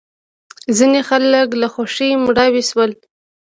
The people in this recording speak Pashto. ځینې خلک له خوښۍ مړاوې شول.